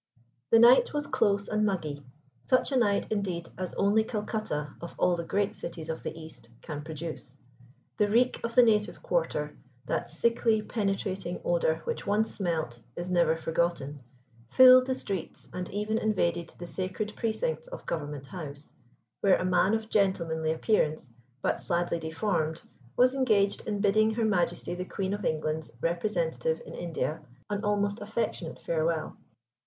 * The night was close and muggy, such a night, indeed, as only Calcutta, of all the great cities of the East, can produce. The reek of the native quarter, that sickly, penetrating odor which once smelt, is never forgotten, filled the streets and even invaded the sacred precincts of Government House, where a man of gentlemanly appearance, but sadly deformed, was engaged in bidding Her Majesty the Queen of England's representative in India an almost affectionate farewell.